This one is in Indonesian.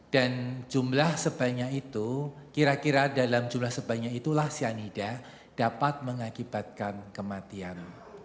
dan jumlah sebanyak itu kira kira dalam jumlah sebanyak itulah cyanida dapat mengakibatkan kematian